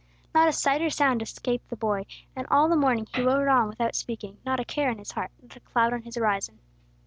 Not a sight or sound escaped the boy; and all the morning he rode on without speaking, not a care in his heart, not a cloud on his horizon.